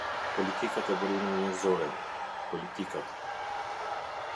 Politikat e Burimeve Njerëzore: Politikat.